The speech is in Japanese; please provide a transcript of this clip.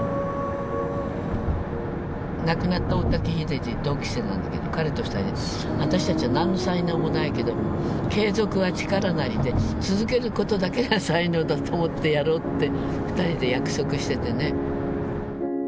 亡くなった大滝秀治同期生なんだけど彼と２人で「私たちは何の才能もないけど『継続は力なり』で続けることだけが才能だと思ってやろう」って２人で約束しててね。